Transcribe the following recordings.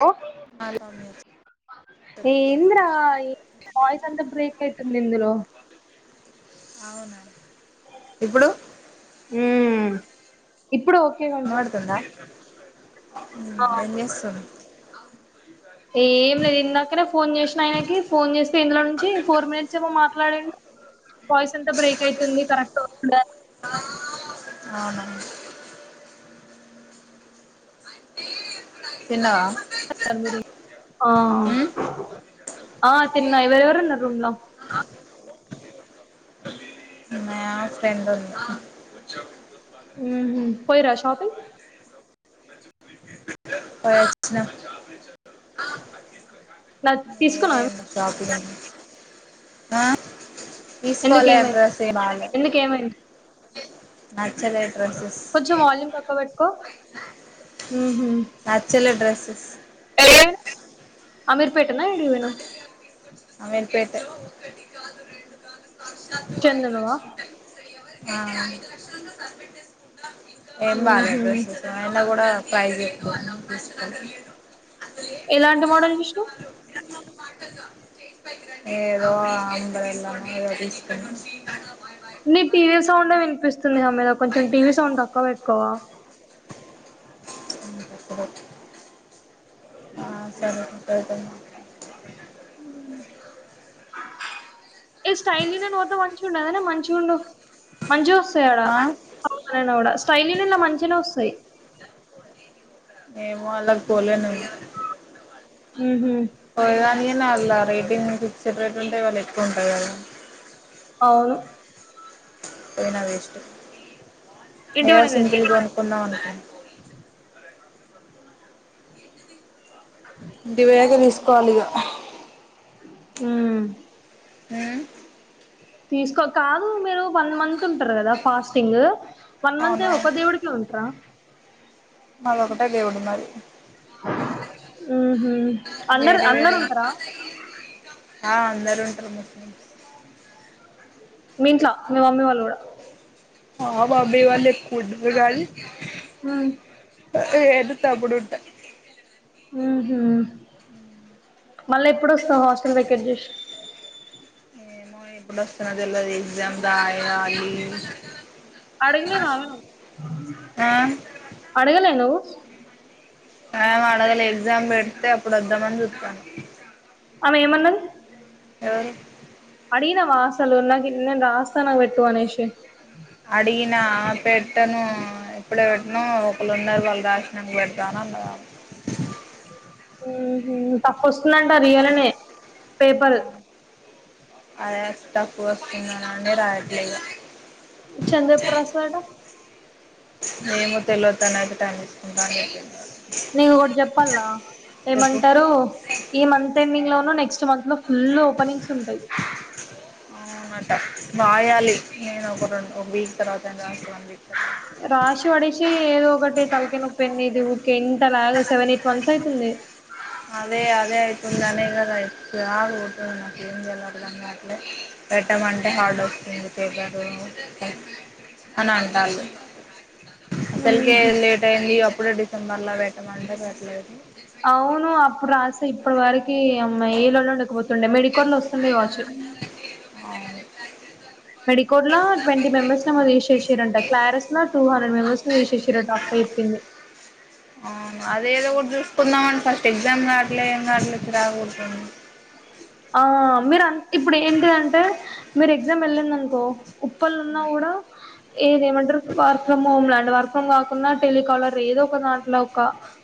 లో అవును సౌమ్య చెప్ ఎందీ రా ఇ వాయిస్ అంత బ్రేక్ అయితుంది ఇందులో అవునండి ఇప్పుడు హు ఇప్పుడు ఓకే కొంచెం ఆ హమ్ ఏం చేస్తున్ ఏం లేదు ఇందాకనే ఫోన్ చేసిన ఆయనకి ఫోన్ చేస్తే ఇందులో నుంచి ఫోర్ మినిట్స్ ఏమో మాట్లాడండి వాయిస్ అంత బ్రేక్ అవుతుంది కరెక్ట్ ఉండా అవునా తిన్నావా ఉమ్ తిన్నా ఏవరు ఎవరున్నరు రూమ్లా మ ఫ్రెండ్ ఉంది ఉహు పోయిరా షాపింగ్ పోయచ్చినం నా తీసుకున్నాం చపిదడి [unintelligible] తీస్కోలే ఎందుకేమైంది డ్రెస్ ఏ బాలే ఎందుకేమైంది నచ్చలే డ్రెస్సెస్ కొంచం వాల్యూమ్ తక్కో పెట్టుకో ఉహు నచ్చలే డ్రెస్సెస్ అమీర్ పేట నా ఎడికి పోయినవ్ అమీర్పేటె చెందనువా ఆ హ ఏం బాలేదు డ్రెస్సెస్ ఆయన కూడా ప్రైస్ ఏక్కో అన్నారు తీస్కోలే ఎలాంటి మోడల్ విష్ణు ఏదో అందరెళ్ళం అ అది ఇష్ట నీ టీవీ సౌండే వినిపిస్తుంది ఆ మీద కొంచెం టీవీ సౌండ్ తక్కవ పెట్టుకోవా ఆ సరే పెడుతున్న ఏ స్టైల్ చేస్తే మంచగా ఉండదనా మంచుండ మజు ఆ [unintelligible] డా [unintelligible] స్టైలీని ఇలా మంచిగానే వస్తాయి ఏమో అలకు పోలేను ఉహ పోదానియ నల రేటు ఇన్నది సెపరేట్ ఉంటే వాళ్ళు ఎత్తుకొని అ అవును అయినా వేస్ట్ ఇంటి ఏవో వెనక తీసుకో సింపుల్ గా కొనుకున్నాను అ ఇంటి వేగ తీసుకోవాలి ఇక ఆ తీసుకో కాదు మీరు వన్ మంత్ ఉంటారు కదా ఫాస్టింగ్ పన మనంత అవును ఒక దవుడుకిది మళొ ఒకట దేవుడు మది ఆహ అందరు వేరే అందరు వేరే ఉంటారా ఆ అందరూ ఉంటారు ము మీంట్లా మీ మమ్మీ వాళ్ళ కూడా హా బాబేయ్ వాళ్ళే కుడ్ గూడాలి మ్. [inaudible] తప్పుడిట్ట ఊహూ మళ్ళా ఎప్పుడొస్తావు హాస్టల్ వెకేట్ చేసి ఆ ఎప్పుడొస్తున్నావ్ తెల్వది ఎగ్జామ్ దాయాలి అడగినాను ఆ అడగలే నువ్వు ఆమడగలే ఎగ్జామ్ పెడితే అప్పుడు వద్దామని జూత్తాను ఆమె ఏమన్నది ఎవరి అడిగినవా అసలు నాకీ నేను రాస్తా నాకు వెటు అనేేషి అడిగినా పెట్టను ఇప్పుడే పెట్టను ఒకలున్నారు వాళ్ళు రాసినంక పెడతాను అన్నదామ్ ఊహూ ప వస్తుందంట రియలనే పేపర్ అదేష్టా పూ [unintelligible] అనే రాయట్లే ఇగ చందు ఎప్పురోస్తాడు తెల్వత నాకుతాను [inaudible] నీకొకటి చెప్పాల్ల చెప్పు ఏమంటారు ఈ మంత్ ఎండింగ్ లోనో నెక్స్ట్ మంత్ లో ఫుల్ ఓపెనింగ్స్ ఉంటాయి అవునట బాయాలి నేను ఒక రెం ఒక వీక్ తర్వాతఐన రాస్తనన్ రాశి పడిచ్చి ఏదో ఒకటి కలికిన్ పెన్నీటివ్ త అలా సేవనేట్ఒన్ ఐతుంది అదే అదే అవుతుందినే కదా అతుంది నాకు ఏం వెళరుదన్న అట్లే పెట్టమంటే హార్డ్ వస్తుంది పేపరు అని అంటారు సల్కె ఊహు లేటైన్ద్ అప్ ఇప్పుడు డిసెంబర్ లో పెట్టమంటే పెట్టలేదు అవును అప్పుడు రాస్తే ఇప్పటి వరకి అమ్మ ఏ లొల్లి ఉండకపోతుండే తుండే మెడికోడ్ లో అవును వస్తుండేకావచ్చు మెడికోడ్ ల ట్వంటీ మెంబర్స్ నో ఏమో తీసేసినారంట, క్లారస్ ల టూహండ్రెడ్ మెంబర్స్నీ తీసేసిరట, అక్క చెప్పింది చూసుకుందాంఅని ఫస్ట్ ఎగ్జామ్ కావట్లే ఏం కావట్లే చిరాక్పుడుతుంది ఆ మీరు అం ఇప్పుడు ఏంటి అంటే మీరు ఎగ్జామ్ వెళ్ళిందనుకో ఉప్పలున్నా కూడా ఏ ఇదేమంటరు వర్క్ ఫ్రమ్ హోమ్ లాంటిదే వర్ కాకుంన్న టెలికాలర్ ఏదో ఒక దాంట్లో ఒక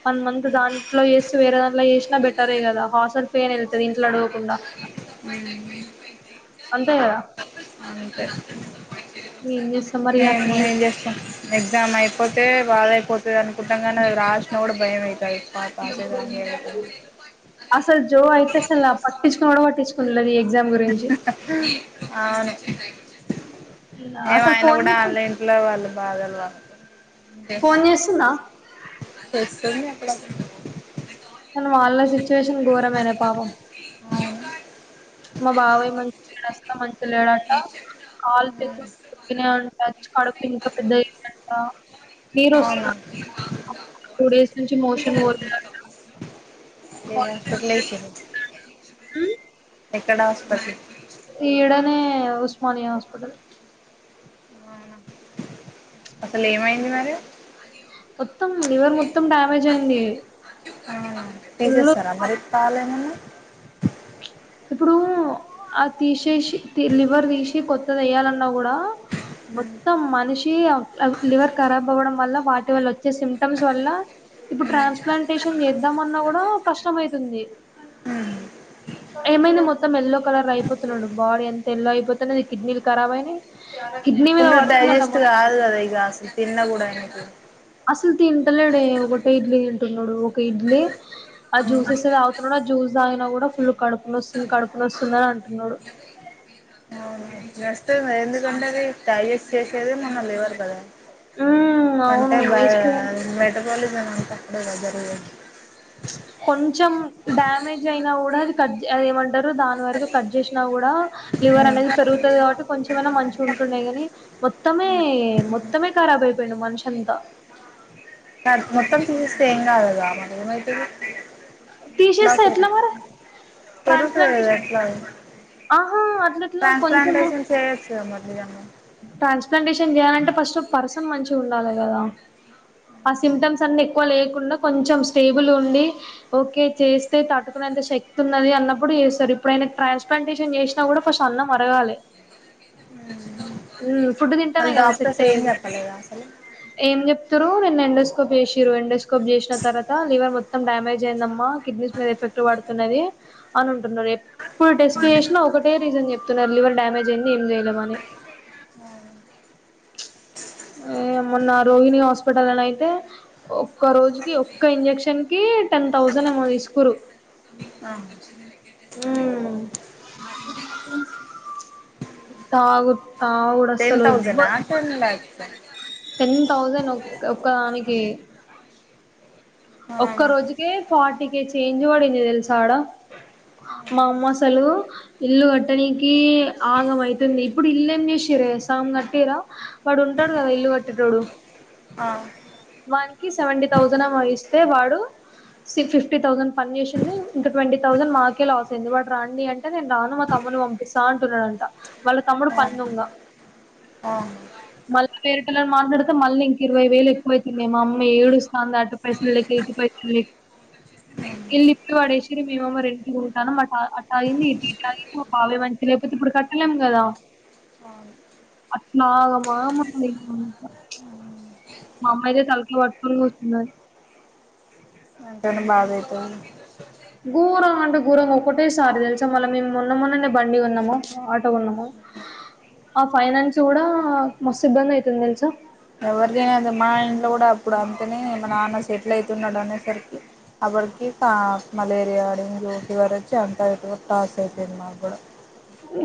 వన్ మంత్ దాంట్లో చేసి వేరే దాంట్లో చేసినా బెటరే కదా హాటల్ ఫీ అయిన ఎల్ తది మ్ అంతెగద మేము ఏం అట్లున్నది చేస్తాం, ఎగ్జామ్ అయిపోతే బాధయిపోత్ అనుకుంటాంగాని అది రాశిన కూడ భయమైతది అసలు జో అయితసలు పట్టిచుకోను కూడా పట్టిచ్కోలేద్ ఎగ్ గ్జామ్ గురించి అవును ఏమ అసలు ఆయన ఫోన్ కూడా వాళ్ళ చేస్తుందా ఇంట్లో వాళ్ళు బాధలు ఫోన్ వాళ్ళకి చేస్తుందా ఇంట్లోనే అప్పుడప్పుడు సిట్యుయేషన్ ఘోరమేనే పాపం మా బాబాయ్ మంచి కష్టం లేడట కాళు చేతులు ఉబ్బినయంట కడుపు ఇంత పెద్దగ అయినయంట నీరు అవును అవునా వస్తుందట టూ డేస్ నుంచి మోషన్ పోలేదంట ఏ హాస్పిటల్ ఏసిర్రు ఎక్కడ హాస్పిటల్ ఇడనే ఉస్మానియా హాస్పిటల్ అవునా అసలు ఏమైంది మరి మొత్తం లివర్ మొత్తం డ్యామేజ్ అయింది అవునా ఫుల్లు తీసేస్తారా మరి పాలేమన్నా ఇప్పుడు తీసేసి లివర్ తీసి కొత్త దయ్యాలం కూడా మొత్తం మనిషి లివర్ ఖరాబ్ అవ్వడం వల్ల వాటి వాళ్లు వచ్చే సిమ్టమ్స్ వల్ల ఇప్పుడు ట్రాన్స్ప్లాంటేషన్ చేద్దాంమన్నా కూడా కష్టం అవుతుంది ఉహు ఏమైంది మొత్తం ఎల్లో కలర్ అయిపోతున్నాడు బాడీ ఎంత ఎల్లో అయిపోతున్నది కిడ్నీలు కరాబయినయ్ తొందర డైజెస్ట్ కాల ఇగస తిన్న కూడా ఆయనకు అసలు తింటలేడే ఒకటే ఇడ్లీ తిన్ తిన్నుడు ఒక ఇడ్లీ ఆ జ్యూసెస్ తాగుతున్నాడు ఆ జ్యూస్ జాగిన కూడా ఫుల్ కడునొస్తుంది కడుపునొస్తుందని అంటున్నడు అవును నొస్తది ఎందుకంటే అది డిజెస్ట్ చేసేది మన లివర్ కదా ఉమ్ అంటే అవును బ ఆ వేస్ట్ మెటబాలిజమ్ అక్కడేగా జరిగేది ప్చ్ కొంచెం డ్యామేజ్ అయినా కూడా అది కజ్ అది ఏమంట్ దరు దాని వరకు కట్ చేసినా కూడా లివర్ అనేది పెరుగుతుంది కాబట్టి కొంచమనా మంచు ఉంటుండే గని మొత్తమే మొత్తమే ఖరాబ అయిపోయిండు మనిషంతా కాద్ మొత్తం తీసిస్తే ఏం కాదు కాదా మన ఏమైతది తీచేస్తే ఎట్లా మరి పెరుగుతది ట్రాంస్పన్ కదా తీశే ఎట్లా ఆహా అట్లట్లా కొంచము ట్రాన్స్ప్లాంటేషన్ చేయొచ్చు కదా మరి నిజంగా టాన్స్ కండీషన్ జేయలంటే ఫస్టు పర్సన్ మంచి ఉండాలి కదా ఆ సింప్టం అన్ని ఎక్కు లేకుండా కొంచెం స్టేబుల్ ఉండి ఒకే చేస్తే తట్టుకునేంత శక్తి వున్నది అన్నపుడు చేస్తరు ఇపుడు అయినకు ట్రాన్స్ కండిషన్ చేసినా ఫస్ట్ అన్నం అరగాలే ఊ ఫుడ్ తింటేనే మళ్ళీ కదా సెట్ డాక్టర్స్ ఏం అయ్యేది చెప్పలేదా అసలు ఏం చెప్ తిరు వెంఎండోస్కోప్ వేసిరూ వేండస్ కోం చేసిన తరువాత లివర్ మొత్తం డామేజ్ ఎందమ్మ కిడ్నీస్ మీద ఎఫెక్ట్ పడుతునది అని అంటునరు ఎప్పుడు టెస్ట్ చేసిన ఒకే రీజన్ చెప్తున్నారు లివర్ డమేజ్ అయిం ఏందేలే మని ఏమో నాక్ రోహిణి హాస్పిటల్ అని అయితే ఒక్క రోజుకి ఒక్క ఇంజక్షన్ కి టెన్ థౌజండ్ ఏమో తీసుకురు ఆ ఊ తాగు తావుడసలు ఎవ్వ ప టెన్ తౌసండ్ ఒ ఒకామిది ఏ ఒక్క అవునా రోజుకే ఫార్టీ అటికే చేంజ్ పడింది తెలుసా అడ మా అమ్మ అసలు ఇల్లు కట్టడానికి ఆగం అయ్యింది ఇప్పుడు ఇల్లు ఏం చేసార సామ్ కట్టరా వాడు ఉంటాడు కదా ఇల్లు కట్టేటోడు ఆ వాకి సెవెంటీ థౌజండ్ ఏమో ఇష్ట వాడు సి ఫిఫ్టీ థౌసండ్ పని చేసిండు ఇంక ట్వంటీ థౌజండ్ మాకే లాస్ అయింది వాడు రా అండి అంటే నేను రాను మా తమ్మున్ని పంపిస్తా అంటున్నాడంట వాళ్ళ తమ్ముడు ఆ పనిదొంగ ఆ మళ్ళ్ పేరిటని మాట్లాడితే మళ్ళీ ఇంక ఇరవై వేలు ఎక్కువ అయితుంది మా అమ్మ ఏడుస్తాంది అటు పై పల్లకి ఇటు పైకి ఇల్లు ఇప్పి పడేసి మేమేమో రెంట్కి ఉంటానం మళ్ళ అట్లా అయింది ఇక ఇట్లాయింది మా బావే మంచిగ లేకపోతే ఇప్పుడు కట్టలేం కదా అట్లా ఆగమాగమైంది అంతా ప్చ్ మా అమ్మయితే తలకాయ్ పట్టుకుని కూచున్నారు ఎంతైనా బాధైతుంది ఘోరం అంటే ఘోరంగ ఒకటే సారి తెలుసా మళ్ళ మేము మొన్న మొన్ననే బండి కొన్నము ఆటో కొన్నము ఆ ఫైనాన్స్ కూడా మస్తు ఇబ్బంది అయితుంది తెలుసా ఎవరు తినేది మా ఇంట్లో కూడా ఇప్పుడు అంతనే మా నాన్న సెటిల్ అయి అవుతున్నాడు అనేసరికి అప్పటికి కా మలేరియా డెంగ్యూ ఫీవర్ వచ్చి అంతా ఎటు కా సరిపోయింది మాక్కూడా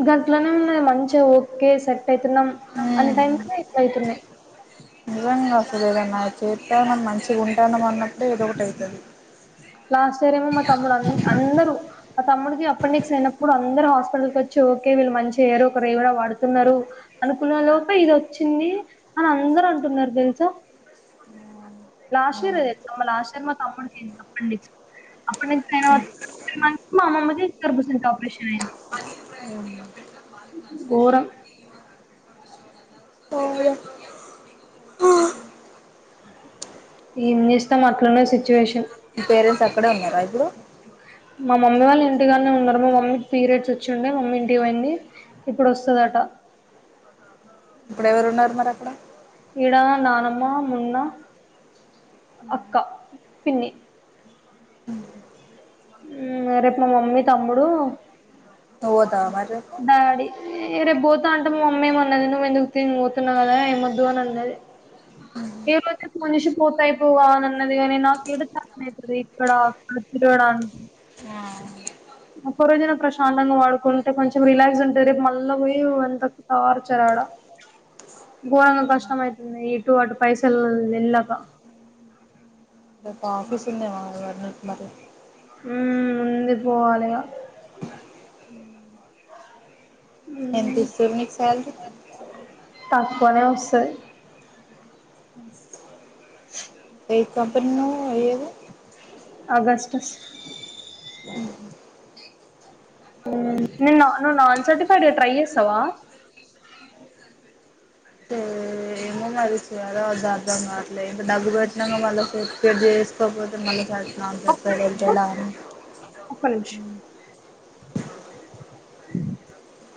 గట్లనే మంచిగా ఓకే సెట్ అయితున్నాం అన్న ఉమ్ టైమ్లో ఇట్ల అయితున్నాయి నిజంగా అసలు ఏదన్నా చేత్తానం మంచిగుంటానం అన్నప్పుడే ఏదొకటి అయితది లాస్ట్ ఇయర్ ఏమో మా తమ్ముడు అం అందరూ మా తమ్ముడికి అపెండిక్స్ అయినప్పుడు అందరు హాస్పిటల్కి వచ్చి ఓకే వీళ్ళు మంచి అయ్యారు ఒకరు ఎవరో వాడుతున్నారు అనుకున్న లోపే ఇది వచ్చింది అని అందరు అంటున్నారు తెలుసా లాస్ట్ ఇయర్ అవును ఏ తెలుసా మా లాస్ట్ టైం మా తమ్ముడికి అపెండిక్స్ అపెండిక్స్ అయిన త్రీ మంత్స్ కి మా అమ్మమ్మ కి గర్భసంచి ఆపరేషన్ అయ్యింది పోరా ఏం చేస్తాం అట్లనే సిచ్యువేషన్ మీ పేరెంట్స్ అక్కడే ఉన్నారా ఇప్పుడు మా మమ్మీ వాళ్ళు ఇంటికాడనే ఉన్నారు మా మమ్మీకి పీరియడ్స్ వచ్చిండే మమ్మీ ఇంటికి పోయింది ఇప్పుడొస్తాదట ఇప్పుడు ఎవరు ఉన్నారు మరి అక్కడ ఈడా నానమ్మ మున్నా అక్క పిన్ని ఊ రేపు మా మమ్మీ తమ్ముడు పొతామన్ డాడీ ఏ రేపు పోతా అంటా మ అమ్మ ఏమన్నది నువ్వు ఎందుకు తిని పోతున్నావు కదా ఏమొద్దు అని అన్నది ఏవైతే మనిషి పోతా అయిపోవా అని అన్నది కాని నాకు ఈడ [inaudible] ఇక్కడ అక్కడ తిరగడానికి ఆ ఒక్క రోజన్నా ప్రశాంతంగా వడుకుంటే కొంచెం రిలాక్స్ ఉంటుంది రేపు మళ్ళా పోయి ఎంత టార్చర్ ఆడ ఘోరంగా కష్టం ఐతుంది ఇటు అటు పైసలు వెళ్ళక రేపు ఆఫీస్ ఉందేమో [inaudible] నీకు మరి ఊ ఉంది పోవాలిగా ఎంతిస్తుర్రు నీకు శాలరీ తక్కువనే వస్తాయ్ ఏ కంపెనీ నువ్వు పోయేది అగస్టస్ ఊ నిన్నా నువ్వు నాన్ సర్టిఫైడే ట్రై చేస్తావా [inaudible] మరి చెయ్యాలో వద్దో అర్థం కాట్లే ఇంకా డబ్బు పెట్టినాంక మళ్ళ సర్టిఫికేట్ చేసుకోపోతే మళ్ళీ [inaudible] నాకు ఒక్క [unintelligible] నిమిషం తెల ఉంది ఒక్క నిమిషం మ్మ్ [unintelligible]